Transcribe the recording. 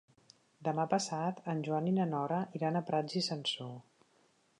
Demà passat en Joan i na Nora iran a Prats i Sansor.